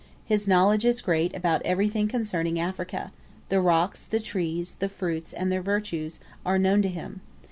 His knowledge is great about everything concerning Africa the rocks, the trees, the fruits, and their virtues, are known to him.